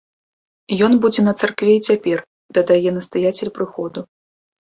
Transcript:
Ён будзе на царкве і цяпер, дадае настаяцель прыходу.